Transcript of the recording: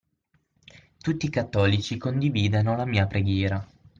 Tutti i cattolici condividano la mia preghiera.